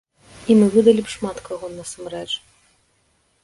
І мы выдалі б шмат каго, насамрэч.